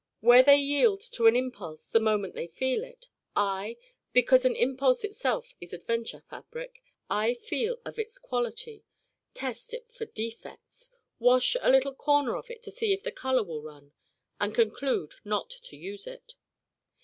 Where they yield to an impulse the moment they feel it I, because an impulse itself is adventure fabric I feel of its quality, test it for defects, wash a little corner of it to see if the color will run and conclude not to use it.